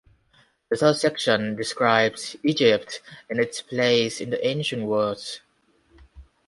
The third section describes Egypt and its place in the ancient world.